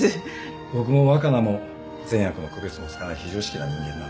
僕も若菜も善悪の区別もつかない非常識な人間なんで。